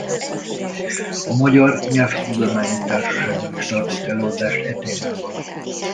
A Magyar Nyelvtudományi Társaságban is tartott előadást e témában.